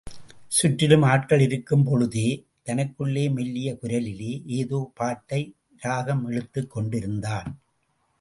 சுற்றிலும் ஆட்கள் இருக்கும்பொழுதே, தனக்குள்ளே மெல்லிய குரலிலே ஏதோ பாட்டை இராகம் இழுத்துக் கொண்டிருந்தான்.